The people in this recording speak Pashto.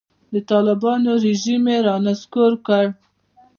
د طالبانو رژیم یې رانسکور کړ.